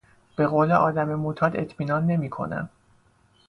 به قول آدم معتاد اطمینان نمیکنم.